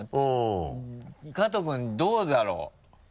加藤君どうだろう？